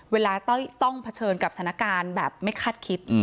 ต้องเผชิญกับสถานการณ์แบบไม่คาดคิด